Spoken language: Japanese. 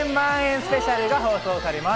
スペシャルが放送されます。